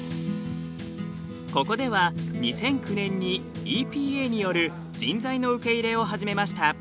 ここでは２００９年にＥＰＡによる人材の受け入れを始めました。